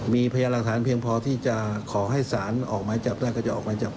มีพยานลักษณ์เพียงพอที่จะขอให้สารออกไว้จับได้ก็จะออกไว้จับ